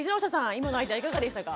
今のアイデアいかがでしたか？